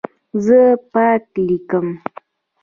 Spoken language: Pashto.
زه پاک لیکم.